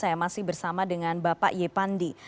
kami bersama dengan bapak ye pandi